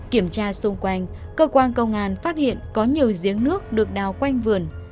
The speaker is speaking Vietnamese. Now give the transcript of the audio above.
kiểm tra xung quanh cơ quan công an phát hiện có nhiều giếng nước được đào quanh vườn